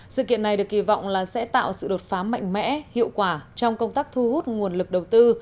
sự kiện này được kỳ vọng là sẽ tạo sự đột phá mạnh mẽ hiệu quả trong công tác thu hút nguồn lực đầu tư